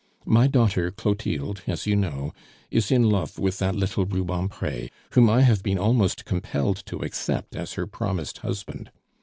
My daughter Clotilde, as you know, is in love with that little Rubempre, whom I have been almost compelled to accept as her promised husband.